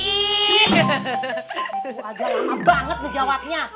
itu saja lama banget menjawabnya